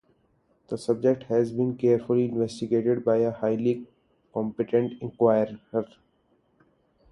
The subject has been carefully investigated by a highly competent inquirer.